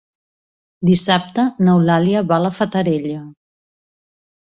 Dissabte n'Eulàlia va a la Fatarella.